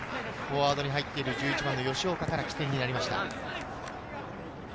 フォワードに入っている吉岡から起点になりました。